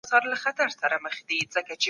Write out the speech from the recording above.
د حنفي مذهب پيروان د ذمي احترام کوي.